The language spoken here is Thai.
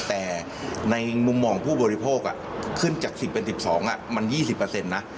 แต่ในมุมมองของผู้บริโภคขึ้นจาก๑๐เป็น๑๒มัน๒๐นะ